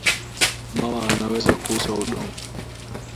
Mama anaweza ku uza udongo